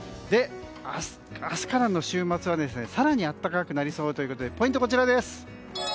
明日からの週末は更に暖かくなりそうということでポイントは、こちらです。